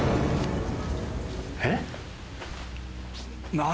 えっ？